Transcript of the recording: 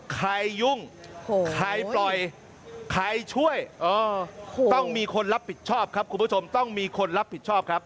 ใครยุ่งใครปล่อยใครช่วยต้องมีคนรับผิดชอบครับคุณผู้ชมต้องมีคนรับผิดชอบครับ